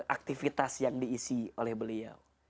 aktivitas yang diisi oleh beliau